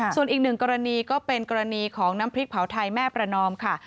ส่วนอีกหนึ่งกรณีก็เป็นกรณีของน้ำพริกเผาไทยแม่ประนอมค่ะ